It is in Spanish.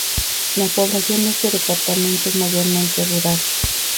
La población de este departamento es mayormente rural.